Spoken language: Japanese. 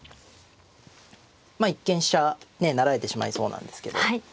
まあ一見飛車成られてしまいそうなんですけど。